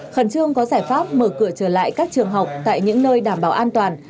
khẩn trương có giải pháp mở cửa trở lại các trường học tại những nơi đảm bảo an toàn